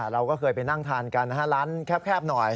เราก็เคยไปนั่งทานกันนะฮะร้านแคบหน่อย